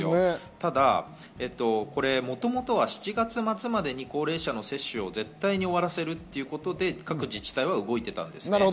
ただ、もともとは７月末までに高齢者接種を絶対に終わらせるということで各自治体が動いていたんですよ。